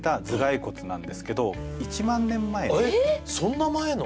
そんな前の！？